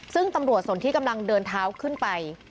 ซึ่งตำรวจส่วนที่กำลังเดินเท้าขึ้นไป